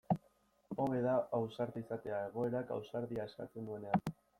Hobe da ausarta izatea egoerak ausardia eskatzen duenean.